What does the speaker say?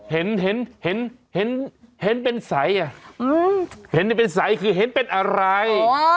เห็นสายคือเห็นเป็นอะไร